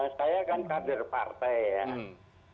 saya kan kader partai ya